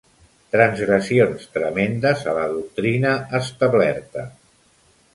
Transgressions tremendes a la doctrina establerta.